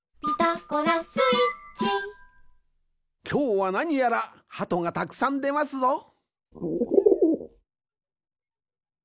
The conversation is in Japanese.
きょうはなにやらハトがたくさんでますぞ。